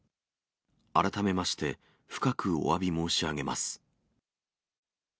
改めまして、深くおわび申し上げます。